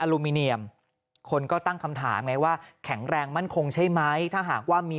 ลูมิเนียมคนก็ตั้งคำถามไงว่าแข็งแรงมั่นคงใช่ไหมถ้าหากว่ามี